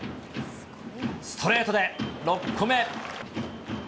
ストレートで６個目。